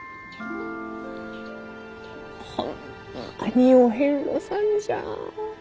ホンマにお遍路さんじゃ。